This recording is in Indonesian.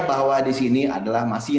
bahwa di sini adalah masih